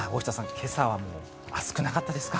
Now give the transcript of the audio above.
今朝は暑くなかったですか？